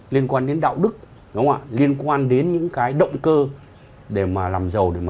liên quan đến đạo đức liên quan đến những động cơ để làm giàu để kiếm tiền nó chưa đúng mức